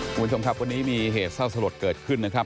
คุณผู้ชมครับวันนี้มีเหตุเศร้าสลดเกิดขึ้นนะครับ